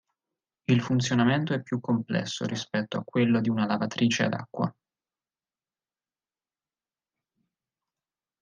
Il funzionamento è più complesso rispetto a quello di una lavatrice ad acqua.